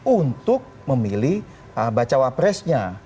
untuk memilih baca wa presnya